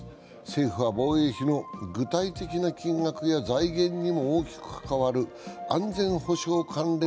政府は防衛費の具体的な金額や財源にも大きく関わる安全保障関連